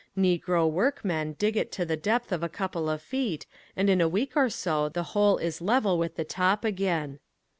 Negro workmen dig it to the depth of a couple of feet and in a week or so the hole is level with the top again.